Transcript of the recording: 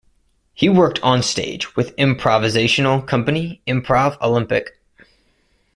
He worked on stage with improvisational company Improv Olympic.